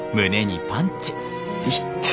いってえ。